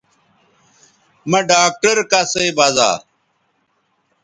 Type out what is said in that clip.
مہ ڈاکٹر کسئ بزا